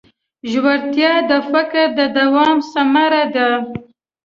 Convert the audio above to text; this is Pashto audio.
ژورتیا د فکر د دوام ثمره ده.